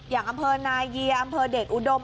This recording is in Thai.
อย่างอำเภอนาเยียอำเภอเดชอุดม